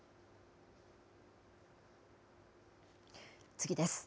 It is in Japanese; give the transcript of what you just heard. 次です。